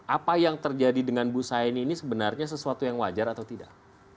apa yang terjadi dengan bu saini ini sebenarnya sesuatu yang wajar atau tidak